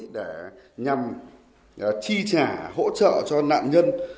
để nhằm chi trả hỗ trợ cho nạn nhân